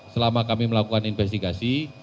selama kami melakukan investigasi